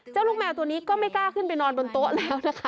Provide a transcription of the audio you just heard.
ลูกแมวตัวนี้ก็ไม่กล้าขึ้นไปนอนบนโต๊ะแล้วนะคะ